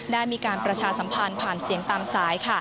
ได้มีการประชาสัมพันธ์ผ่านเสียงตามสาย